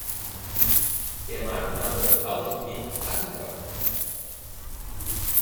Der Markenname lautete "Attica".